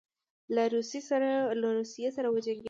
له روسیې سره وجنګېدی.